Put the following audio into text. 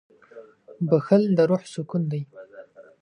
• بښل د روح سکون دی.